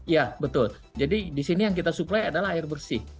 ya betul jadi di sini yang kita suplai adalah air bersih